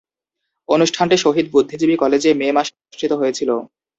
অনুষ্ঠানটি শহীদ বুদ্ধিজীবী কলেজে মে মাসে অনুষ্ঠিত হয়েছিলো।